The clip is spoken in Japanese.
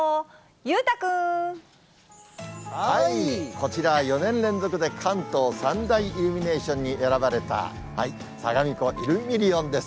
こちら、４年連続で、関東３大イルミネーションに選ばれた、さがみ湖イルミリオンです。